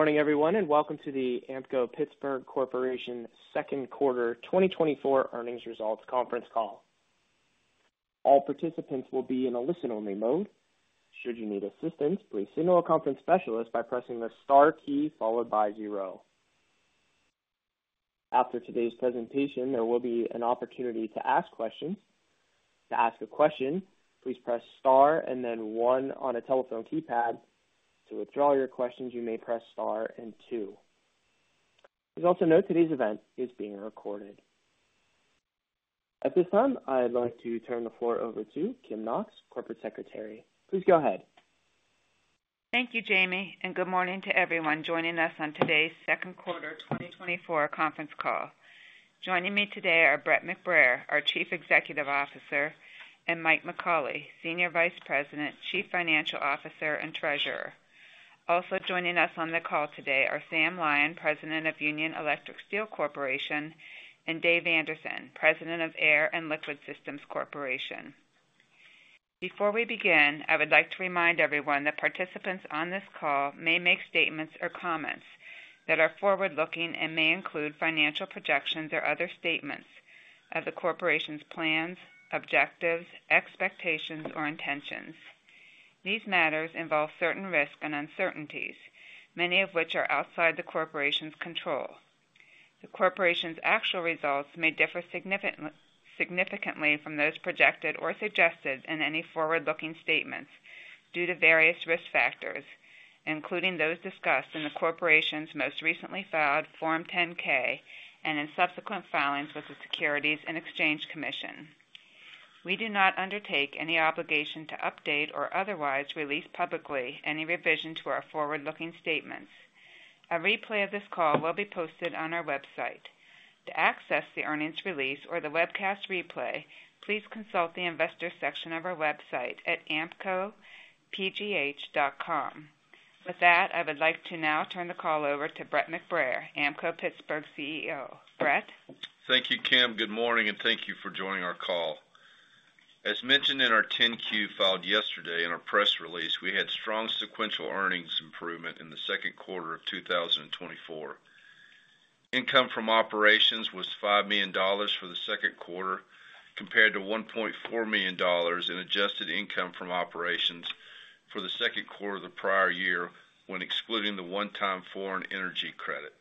...Good morning, everyone, and welcome to the Ampco-Pittsburgh Corporation second quarter 2024 earnings results conference call. All participants will be in a listen-only mode. Should you need assistance, please signal a conference specialist by pressing the Star key, followed by zero. After today's presentation, there will be an opportunity to ask questions. To ask a question, please press Star and then one on a telephone keypad. To withdraw your questions, you may press Star and two. Please also note today's event is being recorded. At this time, I'd like to turn the floor over to Kim Knox, Corporate Secretary. Please go ahead. Thank you, Jamie, and good morning to everyone joining us on today's second quarter 2024 conference call. Joining me today are Brett McBrayer, our Chief Executive Officer, and Mike McAuley, Senior Vice President, Chief Financial Officer, and Treasurer. Also joining us on the call today are Sam Lyon, President of Union Electric Steel Corporation, and Dave Anderson, President of Air and Liquid Systems Corporation. Before we begin, I would like to remind everyone that participants on this call may make statements or comments that are forward-looking and may include financial projections or other statements of the Corporation's plans, objectives, expectations, or intentions. These matters involve certain risks and uncertainties, many of which are outside the Corporation's control. The Corporation's actual results may differ significantly from those projected or suggested in any forward-looking statements due to various risk factors, including those discussed in the Corporation's most recently filed Form 10-K and in subsequent filings with the Securities and Exchange Commission. We do not undertake any obligation to update or otherwise release publicly any revision to our forward-looking statements. A replay of this call will be posted on our website. To access the earnings release or the webcast replay, please consult the investor section of our website at ampcopgh.com. With that, I would like to now turn the call over to Brett McBrayer, Ampco-Pittsburgh CEO. Brett? Thank you, Kim. Good morning, and thank you for joining our call. As mentioned in our 10-Q, filed yesterday in our press release, we had strong sequential earnings improvement in the second quarter of 2024. Income from operations was $5 million for the second quarter, compared to $1.4 million in adjusted income from operations for the second quarter of the prior year, when excluding the one-time foreign energy credit.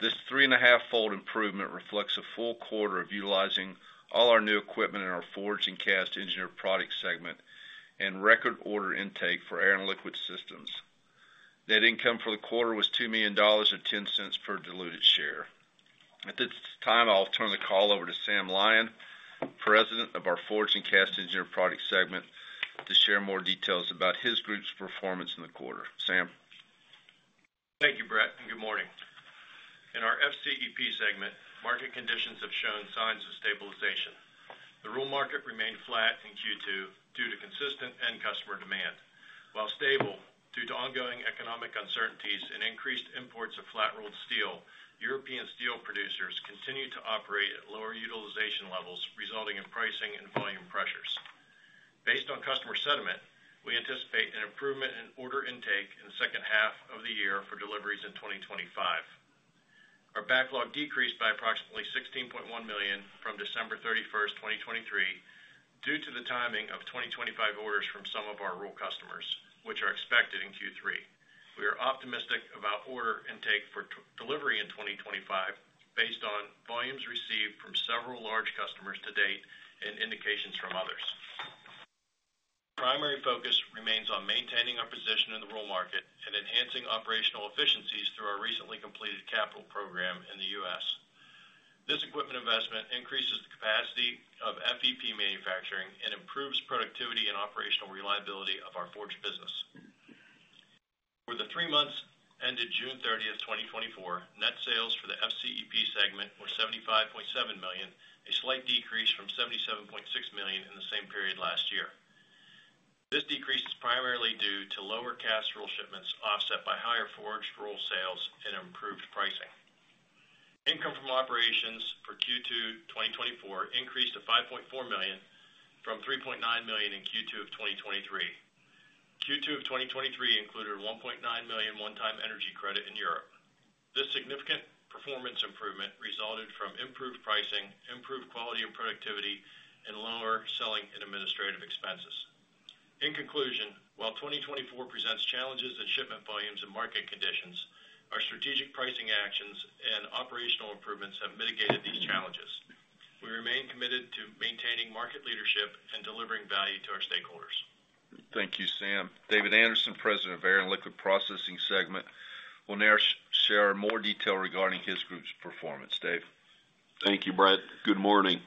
This 3.5-fold improvement reflects a full quarter of utilizing all our new equipment in our Forged and Cast Engineered Products segment and record order intake for Air and Liquid Systems. Net income for the quarter was $2 million, or $0.10 per diluted share. At this time, I'll turn the call over to Sam Lyon, President of our Forged and Cast Engineered Products segment, to share more details about his group's performance in the quarter. Sam? Thank you, Brett, and good morning. In our FCEP segment, market conditions have shown signs of stabilization. The roll market remained flat in Q2 due to consistent end customer demand. While stable, due to ongoing economic uncertainties and increased imports of flat-rolled steel, European steel producers continued to operate at lower utilization levels, resulting in pricing and volume pressures. Based on customer sentiment, we anticipate an improvement in order intake in the second half of the year for deliveries in 2025. Our backlog decreased by approximately $16.1 million from December 31, 2023, due to the timing of 2025 orders from some of our roll customers, which are expected in Q3. We are optimistic about order intake for delivery in 2025, based on volumes received from several large customers to date and indications from others. Primary focus remains on maintaining our position in the roll market and enhancing operational efficiencies through our recently completed capital program in the U.S. This equipment investment increases the capacity of FEP manufacturing and improves productivity and operational reliability of our forge business. For the three months ended June 30, 2024, net sales for the FCEP segment were $75.7 million, a slight decrease from $77.6 million in the same period last year. This decrease is primarily due to lower cast roll shipments, offset by higher forged roll sales and improved pricing. Income from operations for Q2 2024 increased to $5.4 million from $3.9 million in Q2 of 2023. Q2 of 2023 included a $1.9 million one-time energy credit in Europe. This significant performance improvement resulted from improved pricing, improved quality and productivity, and lower selling and administrative expenses. In conclusion, while 2024 presents challenges in shipment volumes and market conditions, our strategic pricing actions and operational improvements have mitigated these challenges. We remain committed to maintaining market leadership and delivering value to our stakeholders. Thank you, Sam. David Anderson, President of Air and Liquid Processing segment, will now share more detail regarding his group's performance. Dave? Thank you, Brett. Good morning.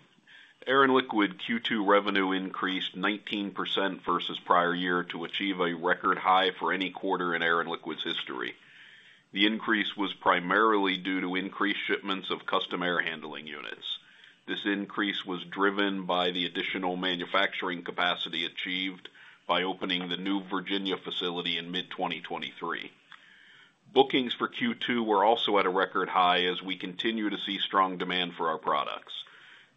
Air and Liquid Q2 revenue increased 19% versus prior year to achieve a record high for any quarter in Air and Liquid's history. The increase was primarily due to increased shipments of custom air handling units. This increase was driven by the additional manufacturing capacity achieved by opening the new Virginia facility in mid-2023. Bookings for Q2 were also at a record high as we continue to see strong demand for our products.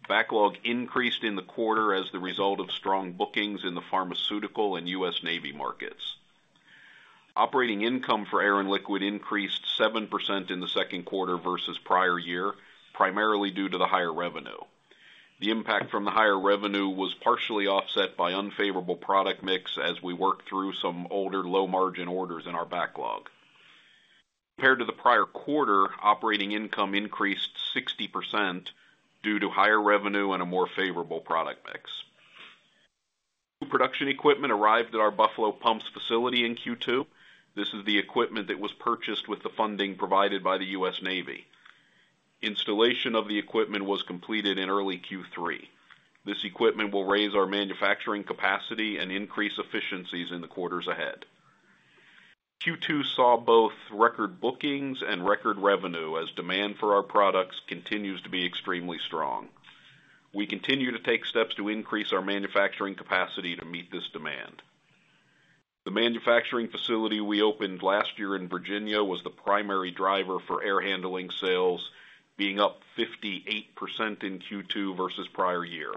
Backlog increased in the quarter as the result of strong bookings in the pharmaceutical and US Navy markets. Operating income for Air and Liquid increased 7% in the second quarter versus prior year, primarily due to the higher revenue. The impact from the higher revenue was partially offset by unfavorable product mix as we worked through some older, low-margin orders in our backlog. Compared to the prior quarter, operating income increased 60% due to higher revenue and a more favorable product mix. Production equipment arrived at our Buffalo Pumps facility in Q2. This is the equipment that was purchased with the funding provided by the US Navy. Installation of the equipment was completed in early Q3. This equipment will raise our manufacturing capacity and increase efficiencies in the quarters ahead. Q2 saw both record bookings and record revenue, as demand for our products continues to be extremely strong. We continue to take steps to increase our manufacturing capacity to meet this demand. The manufacturing facility we opened last year in Virginia was the primary driver for air handling sales, being up 58% in Q2 versus prior year.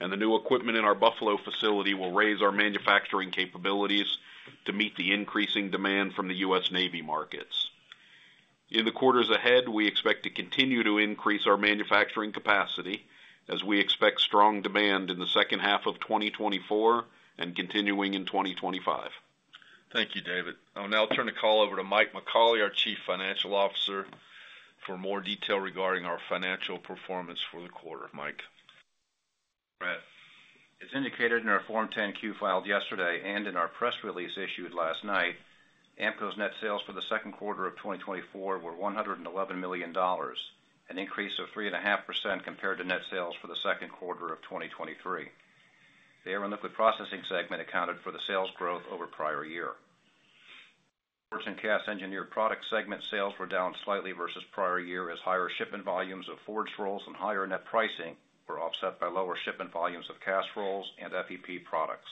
The new equipment in our Buffalo facility will raise our manufacturing capabilities to meet the increasing demand from the US Navy markets. In the quarters ahead, we expect to continue to increase our manufacturing capacity as we expect strong demand in the second half of 2024 and continuing in 2025. Thank you, David. I'll now turn the call over to Mike McAuley, our Chief Financial Officer, for more detail regarding our financial performance for the quarter. Mike? As indicated in our Form 10-Q filed yesterday, and in our press release issued last night, Ampco's net sales for the second quarter of 2024 were $111 million, an increase of 3.5% compared to net sales for the second quarter of 2023. The Air and Liquid Processing segment accounted for the sales growth over prior year. Forged and Cast Engineered Products segment sales were down slightly versus prior year, as higher shipment volumes of forged rolls and higher net pricing were offset by lower shipment volumes of cast rolls and FEP products.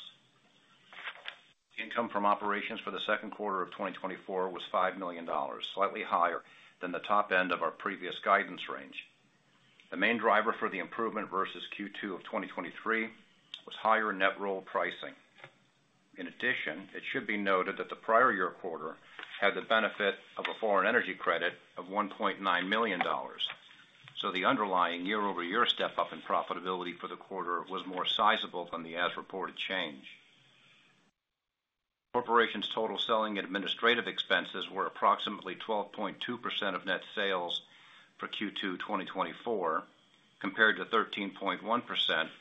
Income from operations for the second quarter of 2024 was $5 million, slightly higher than the top end of our previous guidance range. The main driver for the improvement versus Q2 of 2023 was higher net roll pricing. In addition, it should be noted that the prior year quarter had the benefit of a foreign energy credit of $1.9 million. So the underlying year-over-year step-up in profitability for the quarter was more sizable than the as-reported change. Corporation's total selling administrative expenses were approximately 12.2% of net sales for Q2 2024, compared to 13.1%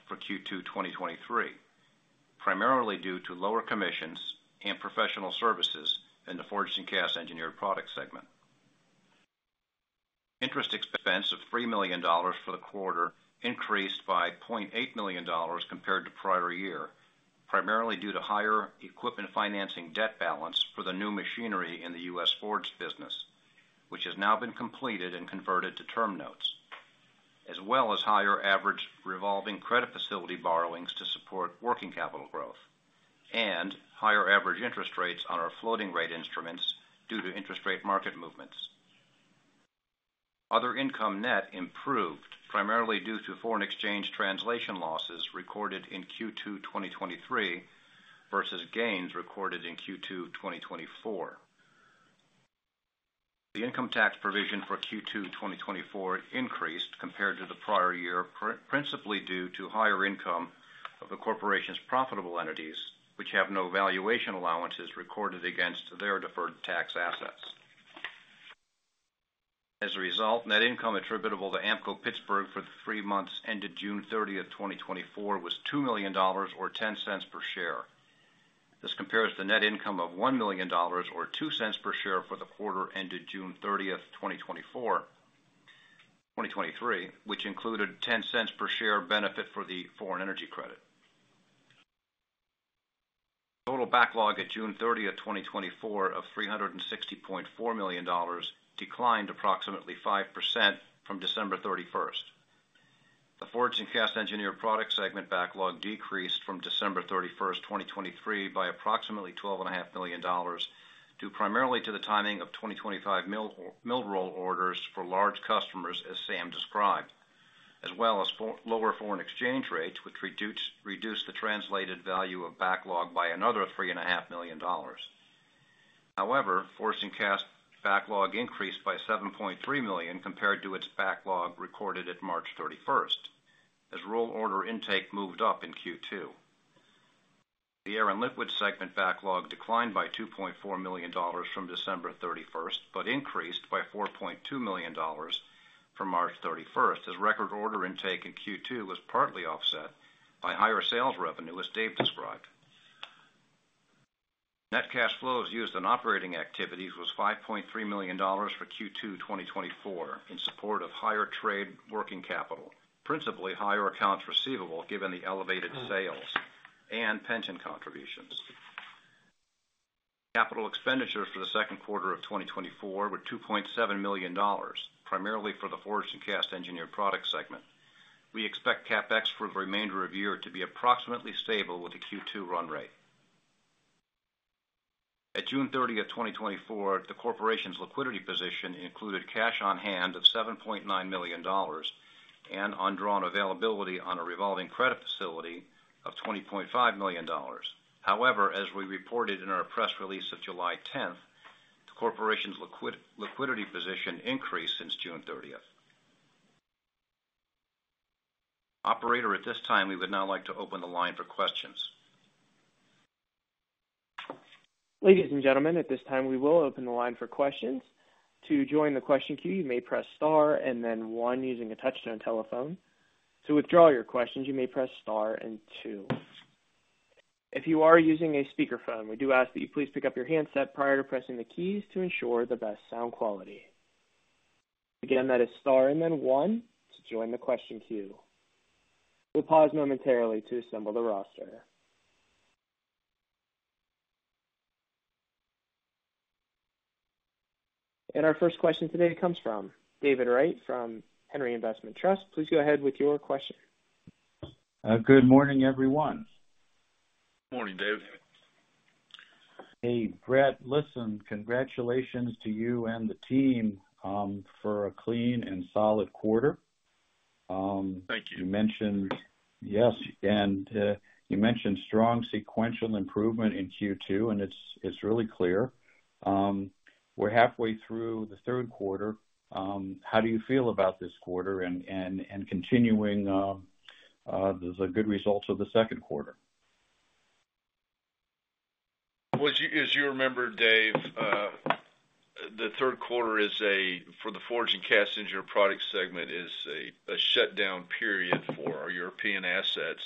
for Q2 2023, primarily due to lower commissions and professional services in the Forged and Cast Engineered Products segment. Interest expense of $3 million for the quarter increased by $0.8 million compared to prior year, primarily due to higher equipment financing debt balance for the new machinery in the U.S. forged business, which has now been completed and converted to term notes, as well as higher average revolving credit facility borrowings to support working capital growth and higher average interest rates on our floating rate instruments due to interest rate market movements. Other income net improved, primarily due to foreign exchange translation losses recorded in Q2 2023 versus gains recorded in Q2 2024. The income tax provision for Q2 2024 increased compared to the prior year, principally due to higher income of the corporation's profitable entities, which have no valuation allowances recorded against their deferred tax assets. As a result, net income attributable to Ampco-Pittsburgh for the three months ended June 30, 2024, was $2 million, or $0.10 per share. This compares to the net income of $1 million, or $0.02 per share, for the quarter ended June 30, 2023, which included $0.10 per share benefit for the foreign energy credit. Total backlog at June 30, 2024, of $360.4 million, declined approximately 5% from December 31. The Forged and Cast Engineered Products segment backlog decreased from December 31, 2023, by approximately $12.5 million, due primarily to the timing of 2025 mill roll orders for large customers, as Sam described, as well as lower foreign exchange rates, which reduced the translated value of backlog by another $3.5 million. However, Forged and Cast backlog increased by $7.3 million compared to its backlog recorded at March 31, as roll order intake moved up in Q2. The Air and Liquid segment backlog declined by $2.4 million from December 31, but increased by $4.2 million from March 31, as Dave described. Net cash flows used in operating activities was $5.3 million for Q2 2024, in support of higher trade working capital, principally higher accounts receivable, given the elevated sales and pension contributions. Capital expenditures for the second quarter of 2024 were $2.7 million, primarily for the Forged and Cast Engineered Products segment. We expect CapEx for the remainder of the year to be approximately stable with the Q2 run rate. At June 30, 2024, the corporation's liquidity position included cash on hand of $7.9 million, and undrawn availability on a revolving credit facility of $20.5 million. However, as we reported in our press release of July 10, the corporation's liquidity position increased since June 30. Operator, at this time, we would now like to open the line for questions. Ladies and gentlemen, at this time, we will open the line for questions. To join the question queue, you may press Star and then One using a touchtone telephone. To withdraw your questions, you may press Star and Two. If you are using a speakerphone, we do ask that you please pick up your handset prior to pressing the keys to ensure the best sound quality. Again, that is Star and then One to join the question queue. We'll pause momentarily to assemble the roster. Our first question today comes from David Wright from Henry Investment Trust. Please go ahead with your question. Good morning, everyone. Morning, David. Hey, Brett. Listen, congratulations to you and the team for a clean and solid quarter. Thank you. You mentioned... Yes, and you mentioned strong sequential improvement in Q2, and it's really clear. We're halfway through the third quarter. How do you feel about this quarter and continuing the good results of the second quarter? Well, as you remember, Dave, the third quarter is a shutdown period for the Forged and Cast Engineered Products segment,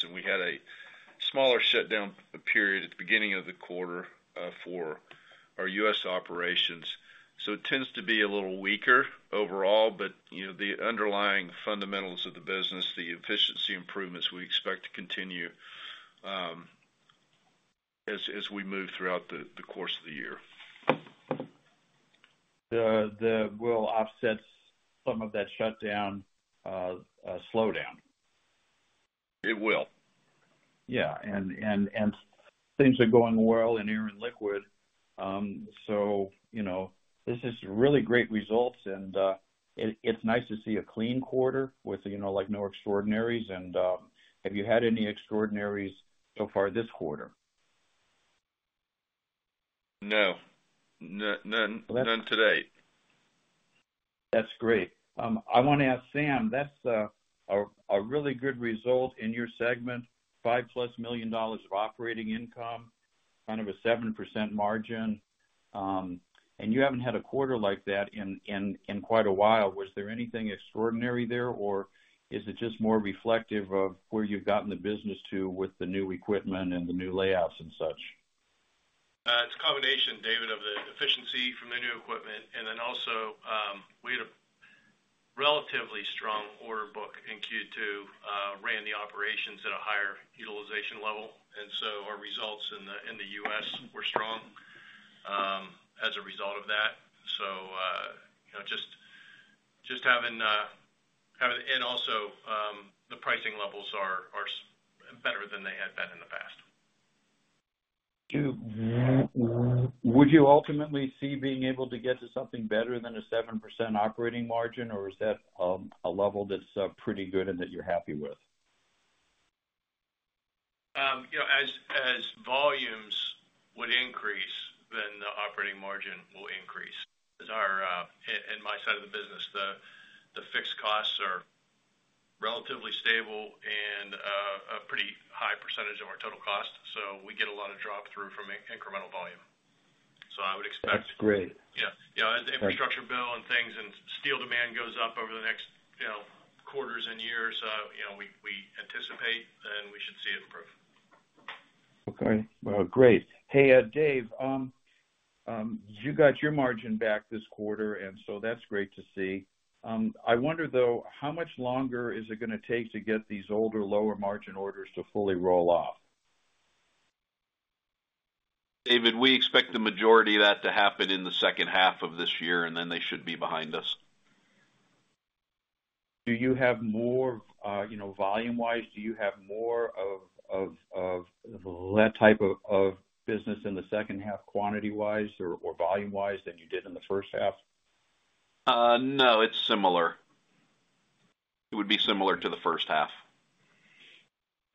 and we had a smaller shutdown period at the beginning of the quarter for our U.S. operations. So it tends to be a little weaker overall, but, you know, the underlying fundamentals of the business, the efficiency improvements, we expect to continue as we move throughout the course of the year. The will offset some of that shutdown, slowdown? It will. Yeah, things are going well in Air and Liquid. So, you know, this is really great results, and it's nice to see a clean quarter with, you know, like, no extraordinaries. And have you had any extraordinaries so far this quarter? No. None to date. That's great. I want to ask Sam, that's a really good result in your segment, $5+ million of operating income, kind of a 7% margin. You haven't had a quarter like that in quite a while. Was there anything extraordinary there, or is it just more reflective of where you've gotten the business to with the new equipment and the new layouts and such? It's a combination, David, of the efficiency from the new equipment, and then also, we had a relatively strong order book in Q2, ran the operations at a higher utilization level, and so our results in the U.S. were strong, as a result of that. So, you know, just having, and also, the pricing levels are better than they had been in the past. Would you ultimately see being able to get to something better than 7% operating margin, or is that a level that's pretty good and that you're happy with? You know, as volumes would increase, then the operating margin will increase. As our in my side of the business, the fixed costs are relatively stable and a pretty high percentage of our total cost, so we get a lot of drop-through from incremental volume. So I would expect- That's great. Yeah. You know, infrastructure bill and things, and steel demand goes up over the next, you know, quarters and years, you know, we anticipate, and we should see it improve. Okay. Well, great. Hey, Dave, you got your margin back this quarter, and so that's great to see. I wonder, though, how much longer is it gonna take to get these older, lower-margin orders to fully roll off? David, we expect the majority of that to happen in the second half of this year, and then they should be behind us. Do you have more, you know, volume-wise, do you have more of that type of business in the second half, quantity-wise or volume-wise, than you did in the first half? No, it's similar. It would be similar to the first half.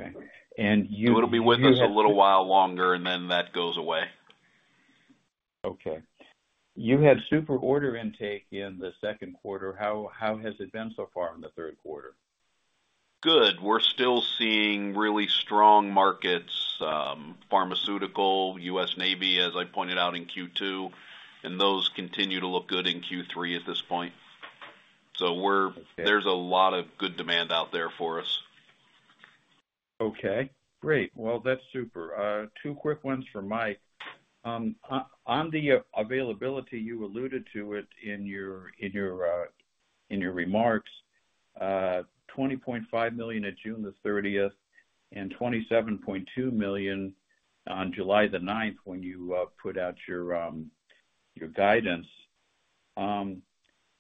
Okay. And you- It'll be with us a little while longer, and then that goes away. Okay. You had super order intake in the second quarter. How, how has it been so far in the third quarter? Good. We're still seeing really strong markets, pharmaceutical, US Navy, as I pointed out in Q2, and those continue to look good in Q3 at this point. So we're- Okay. There's a lot of good demand out there for us. Okay, great. Well, that's super. Two quick ones from Mike. On the availability, you alluded to it in your remarks, $20.5 million on June 30th and $27.2 million on July 9th, when you put out your guidance,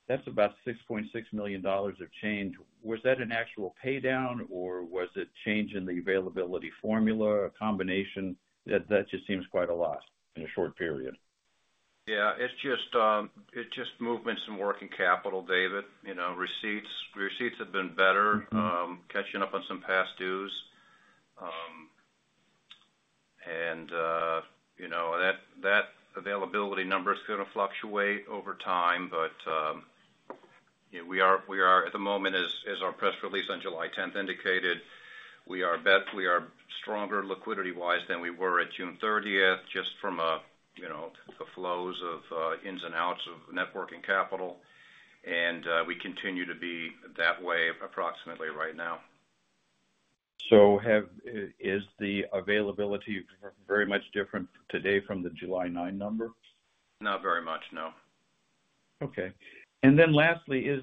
that's about $6.6 million of change. Was that an actual pay down, or was it change in the availability formula, a combination? That just seems quite a lot in a short period. Yeah, it's just, it's just movements in working capital, David. You know, receipts, receipts have been better- Mm-hmm. Catching up on some past dues. And, you know, that availability number is gonna fluctuate over time, but, yeah, we are at the moment, as our press release on July tenth indicated, we are stronger liquidity-wise than we were at June thirtieth, just from a, you know, the flows of ins and outs of net working capital, and we continue to be that way approximately right now. So, is the availability very much different today from the July 9 number? Not very much, no. Okay. And then lastly,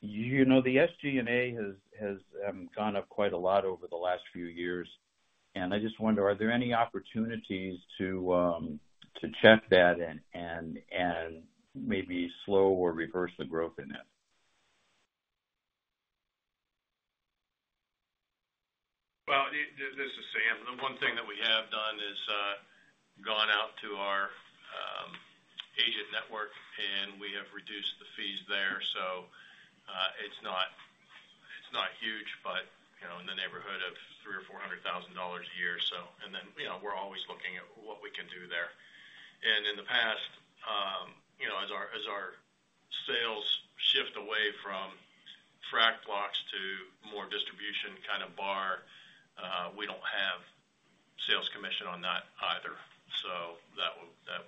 you know, the SG&A has gone up quite a lot over the last few years, and I just wonder, are there any opportunities to check that and maybe slow or reverse the growth in it? Well, this is Sam. The one thing that we have done is gone out to our agent network, and we have reduced the fees there, so it's not huge, but you know, in the neighborhood of $300,000-$400,000 a year. So. And then, you know, we're always looking at what we can do there. And in the past, you know, as our sales shift away from frac blocks to more distribution kind of bar, we don't have sales commission on that either, so that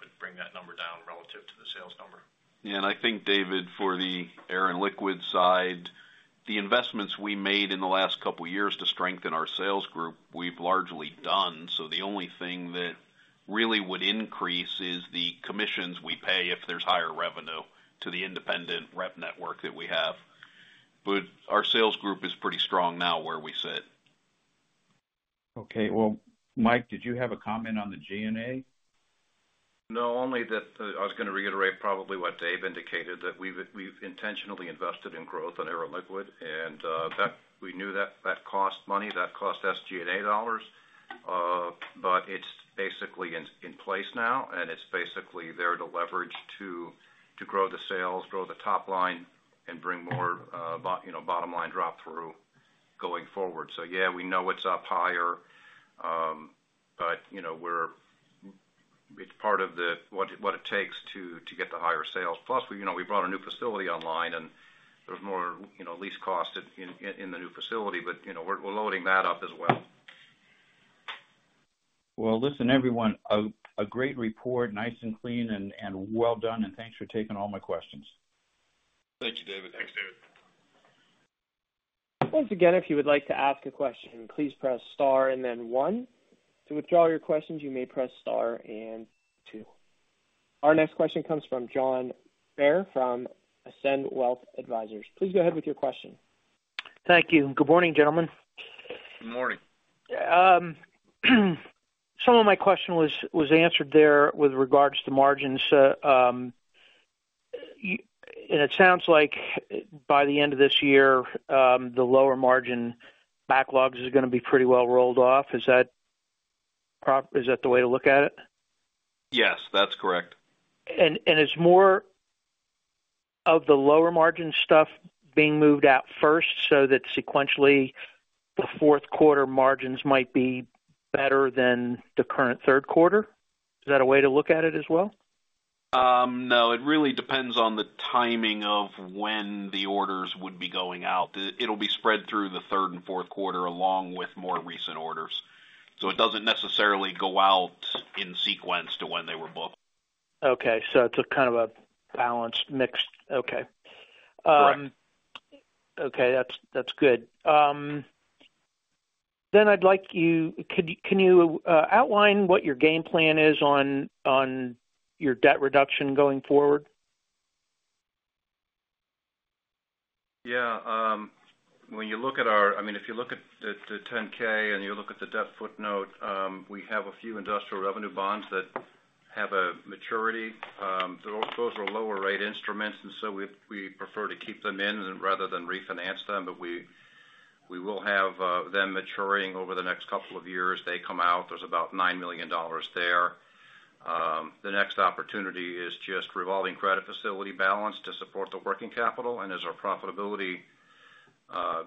would bring that number down relative to the sales number. Yeah, and I think, David, for the air and liquid side, the investments we made in the last couple of years to strengthen our sales group, we've largely done. So the only thing that really would increase is the commissions we pay if there's higher revenue to the independent rep network that we have. But our sales group is pretty strong now where we sit. Okay. Well, Mike, did you have a comment on the G&A? No, only that I was going to reiterate probably what Dave indicated, that we've intentionally invested in growth on air and liquid, and that we knew that cost money, that cost SG&A dollars. But it's basically in place now, and it's basically there to leverage to grow the sales, grow the top line, and bring more, you know, bottom line drop through, going forward. So, yeah, we know it's up higher, but, you know, we're it's part of the, what it takes to get the higher sales. Plus, we, you know, we brought a new facility online, and there's more, you know, lease costs in the new facility, but, you know, we're loading that up as well. Well, listen, everyone, a great report, nice and clean and well done, and thanks for taking all my questions. Thank you, David. Thanks, David. Once again, if you would like to ask a question, please press star and then one. To withdraw your questions, you may press star and two. Our next question comes from John Bair from Ascend Wealth Advisors. Please go ahead with your question. Thank you. Good morning, gentlemen. Good morning. Some of my question was answered there with regards to margins. And it sounds like by the end of this year, the lower margin backlogs is gonna be pretty well rolled off. Is that the way to look at it? Yes, that's correct. And it's more of the lower margin stuff being moved out first, so that sequentially, the fourth quarter margins might be better than the current third quarter? Is that a way to look at it as well? No, it really depends on the timing of when the orders would be going out. It'll be spread through the third and fourth quarter, along with more recent orders. So it doesn't necessarily go out in sequence to when they were booked. Okay, so it's a kind of a balanced mix. Okay. Correct. Okay, that's, that's good. Then I'd like you... Could you, can you, outline what your game plan is on, on your debt reduction going forward? Yeah, when you look at our I mean, if you look at the, the 10-K and you look at the debt footnote, we have a few industrial revenue bonds that have a maturity. Those, those are lower rate instruments, and so we, we prefer to keep them in rather than refinance them, but we, we will have, them maturing over the next couple of years. They come out, there's about $9 million there. The next opportunity is just revolving credit facility balance to support the working capital, and as our profitability,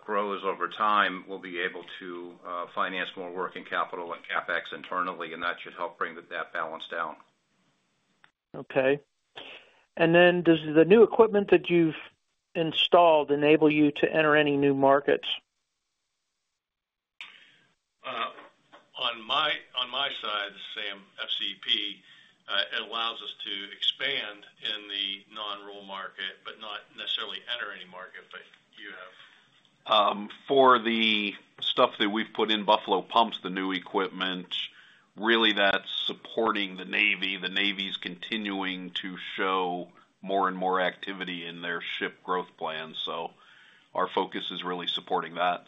grows over time, we'll be able to, finance more working capital and CapEx internally, and that should help bring the debt balance down. Okay. And then, does the new equipment that you've installed enable you to enter any new markets? On my side, Sam, FCP, it allows us to expand in the non-roll market, but not necessarily enter any market. But you have- For the stuff that we've put in Buffalo Pumps, the new equipment, really that's supporting the Navy. The Navy's continuing to show more and more activity in their ship growth plan, so our focus is really supporting that. ...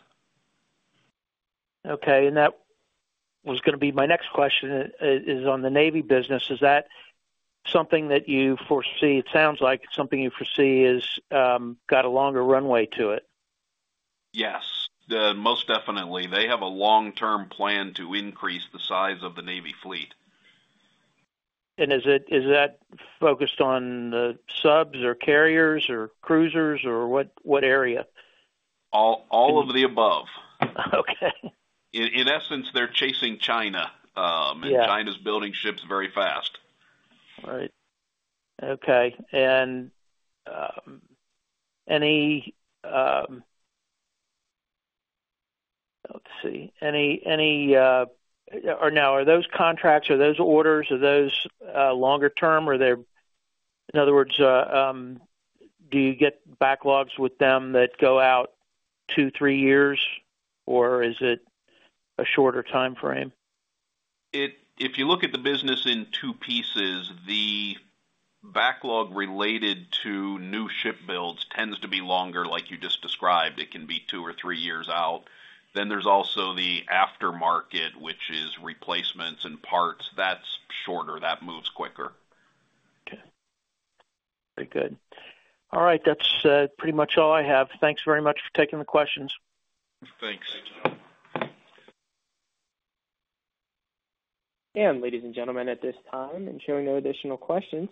Okay, and that was going to be my next question, is on the Navy business. Is that something that you foresee? It sounds like something you foresee is got a longer runway to it. Yes, most definitely. They have a long-term plan to increase the size of the Navy fleet. And is that focused on the subs or carriers or cruisers or what, what area? All, all of the above. Okay. In essence, they're chasing China. Yeah. China's building ships very fast. Right. Okay. Are those contracts, are those orders, are those longer term? Or they're... In other words, do you get backlogs with them that go out two, three years, or is it a shorter time frame? If you look at the business in two pieces, the backlog related to new ship builds tends to be longer, like you just described. It can be two or three years out. Then there's also the aftermarket, which is replacements and parts. That's shorter. That moves quicker. Okay. Very good. All right. That's pretty much all I have. Thanks very much for taking the questions. Thanks. Ladies and gentlemen, at this time, and showing no additional questions,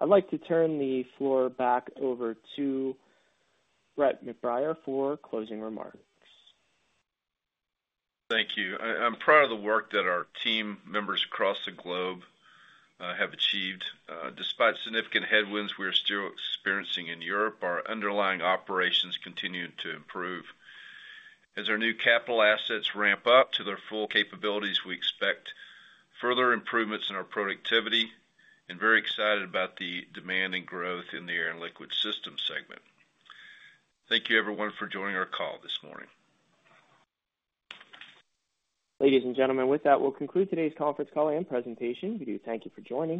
I'd like to turn the floor back over to Brett McBrayer for closing remarks. Thank you. I'm proud of the work that our team members across the globe have achieved. Despite significant headwinds we are still experiencing in Europe, our underlying operations continue to improve. As our new capital assets ramp up to their full capabilities, we expect further improvements in our productivity and very excited about the demand and growth in the air and liquid system segment. Thank you, everyone, for joining our call this morning. Ladies and gentlemen, with that, we'll conclude today's conference call and presentation. We do thank you for joining.